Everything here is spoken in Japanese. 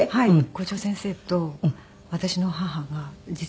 校長先生と私の母が実は会った事が。